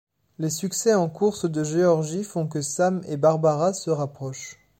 Les succès en course de Georgie font que Sam et Barbara se rapprochent.